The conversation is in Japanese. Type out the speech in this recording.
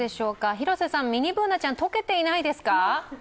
広瀬さん、ミニＢｏｏｎａちゃん、溶けてないですか？